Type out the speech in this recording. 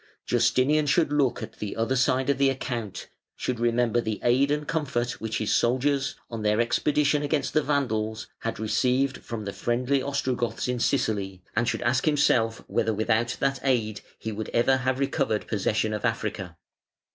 Justinian should look at the other side of the account, should remember the aid and comfort which his soldiers, on their expedition against the Vandals, had received from the friendly Ostrogoths in Sicily, and should ask himself whether without that aid he would ever have recovered possession of Africa.